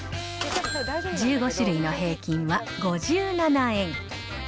１５種類の平均は５７円。